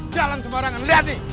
jalan semua orangan lihat nih